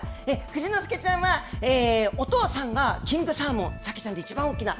富士の介ちゃんは、お父さんがキングサーモン、サケちゃんで一番大きな。